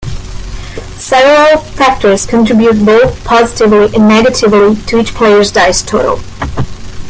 Several factors contribute both positively and negatively to each player's dice total.